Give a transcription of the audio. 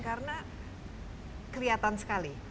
karena kelihatan sekali